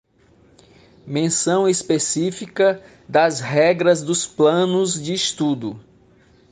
Menção específica das regras dos planos de estudo.